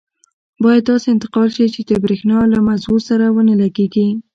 باید داسې انتقال شي چې د بریښنا له مزو سره ونه لګېږي.